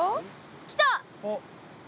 来た！